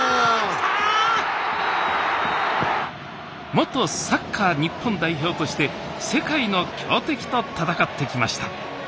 元サッカー日本代表として世界の強敵と戦ってきました。